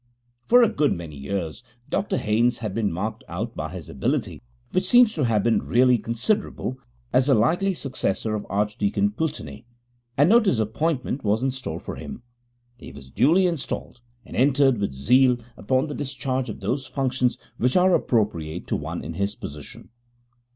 For a good many years Dr Haynes had been marked out by his ability, which seems to have been really considerable, as the likely successor of Archdeacon Pulteney, and no disappointment was in store for him. He was duly installed, and entered with zeal upon the discharge of those functions which are appropriate to one in his position.